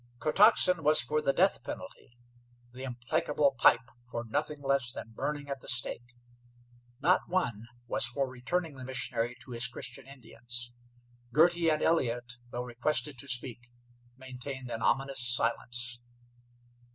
Kotoxen was for the death penalty; the implacable Pipe for nothing less than burning at the stake. Not one was for returning the missionary to his Christian Indians. Girty and Elliott, though requested to speak, maintained an ominous silence.